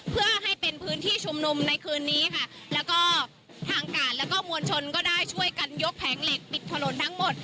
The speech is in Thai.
เพื่อให้เป็นพื้นที่ชุมนุมในคืนนี้ค่ะแล้วก็ทางกาดแล้วก็มวลชนก็ได้ช่วยกันยกแผงเหล็กปิดถนนทั้งหมด